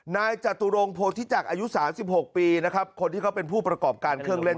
จตุรงโพธิจักรอายุ๓๖ปีนะครับคนที่เขาเป็นผู้ประกอบการเครื่องเล่น